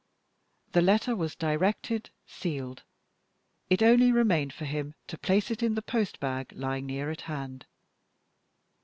The letter was directed, sealed; it only remained for him to place it in the post bag, lying near at hand.